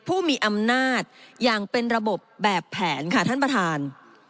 ผู้มีอำนาจอย่างเป็นระบบแบบแผนค่ะท่านประธาน